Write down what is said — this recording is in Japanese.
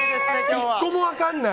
１個も分かんない。